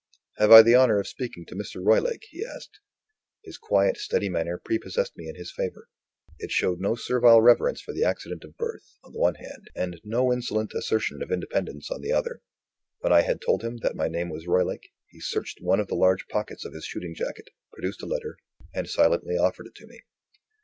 "Have I the honor of speaking to Mr. Roylake?" he asked. His quiet steady manner prepossessed me in his favour; it showed no servile reverence for the accident of birth, on the one hand, and no insolent assertion of independence, on the other. When I had told him that my name was Roylake, he searched one of the large pockets of his shooting jacket, produced a letter, and silently offered it to me.